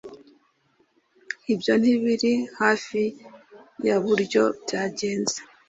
Ibyo ntibiri hafi yuburyo byagenze